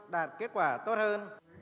đạt kết quả tốt hơn